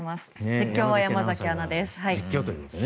実況は山崎アナです。